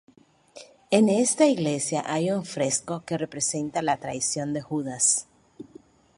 En esta iglesia hay un fresco que representa la traición de Judas.